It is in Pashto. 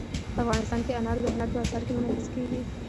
افغانستان کې انار د هنر په اثار کې منعکس کېږي.